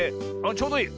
ちょうどいい。